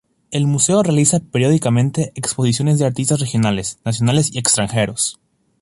El museo realiza periódicamente exposiciones de artistas regionales, nacionales y extranjeros.